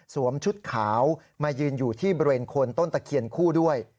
ชุดขาวมายืนอยู่ที่บริเวณคนต้นตะเคียนคู่ด้วย